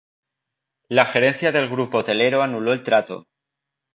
La gerencia del grupo hotelero anuló el trato.